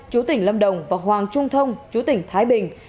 chú tỉnh lâm đồng và hoàng trung thông chú tỉnh thái bình